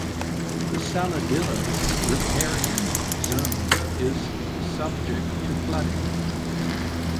The Saladillo's riparian zone is subject to flooding.